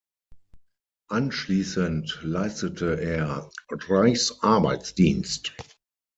Anschließend leistete er Reichsarbeitsdienst.